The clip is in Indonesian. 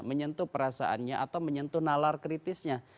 menyentuh perasaannya atau menyentuh nalar kritisnya